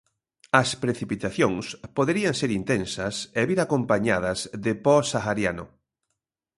As precipitacións poderían ser intensas e vir acompañadas de po sahariano.